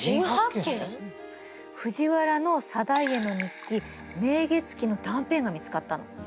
藤原定家の日記「明月記」の断片が見つかったの。